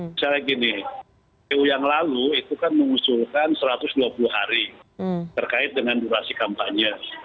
misalnya gini pu yang lalu itu kan mengusulkan satu ratus dua puluh hari terkait dengan durasi kampanye